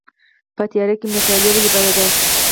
په تیاره کې مطالعه ولې بده ده؟